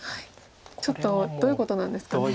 ちょっとどういうことなんですかね。